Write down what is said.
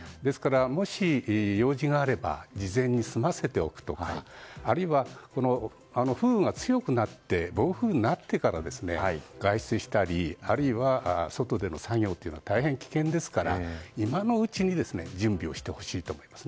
もし用事があれば事前に済ませておくとかあるいは、風雨が強くなって暴風雨になってから外出したりあるいは外での作業というのは大変危険ですから今のうちに準備をしてほしいです。